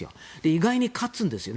意外に勝つんですよ。